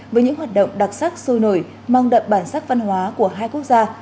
với những hoạt động đặc sắc sôi nổi mang đậm bản sắc văn hóa của hai quốc gia